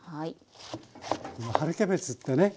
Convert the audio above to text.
春キャベツってね